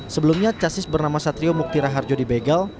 sebelumnya casis bernama satrio muktira harjodi begal